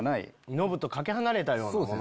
ノブと懸け離れたようなもの。